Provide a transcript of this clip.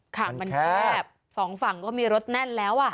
ค่ะมันแคบสองฝั่งก็มีรถแน่นแล้วอ่ะ